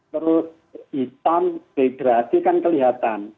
terus hitam dehidrasi kan kelihatan